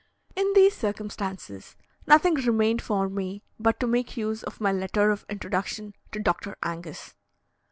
In these circumstances, nothing remained for me but to make use of my letter of introduction to Dr. Angus.